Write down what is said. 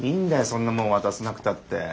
そんなもん渡さなくたって。